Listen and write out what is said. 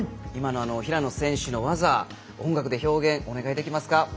今の平野選手の技音楽で表現、お願いできますか？